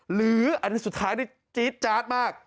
หรืออันนี้สุดท้ายนี่จี๊ดจาดมาก